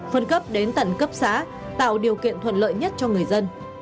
phân cấp đến tận cấp xã tạo điều kiện thuận lợi nhất cho người dân